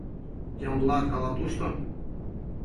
Ямблат ала тушто?»